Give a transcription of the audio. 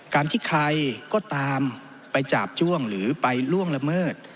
การที่ใครก็ตามไปจาบจ้วงหรือไปล่วงละเมิด